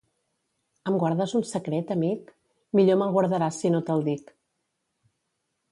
Em guardes un secret, amic?; millor me'l guardaràs si no te'l dic.